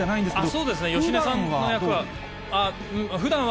そうですね、芳根さんの役は。